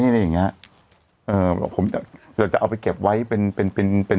อะไรอย่างเงี้ยเอ่อบอกผมเราจะเอาไปเก็บไว้เป็นเป็นเป็นเป็นเป็น